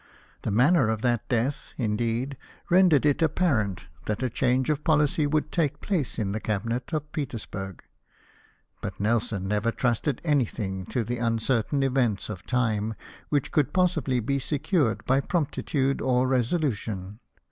The manner of that death, indeed, rendered it apparent that a change of poHcy would take place in the Cabinet of Petersburg — but Nelson never trusted anything to the uncertain events of time, which could possibly be secured by promptitude or resolution.